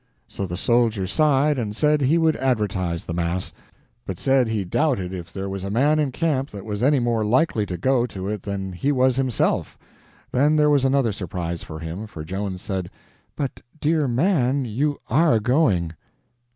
So the soldier sighed and said he would advertise the mass, but said he doubted if there was a man in camp that was any more likely to go to it than he was himself. Then there was another surprise for him, for Joan said: "But, dear man, you are going!"